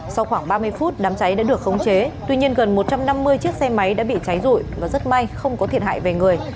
sau khoảng ba mươi phút đám cháy đã được khống chế tuy nhiên gần một trăm năm mươi chiếc xe máy đã bị cháy rụi và rất may không có thiệt hại về người